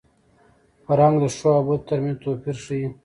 فرهنګ د ښو او بدو تر منځ توپیر ښيي.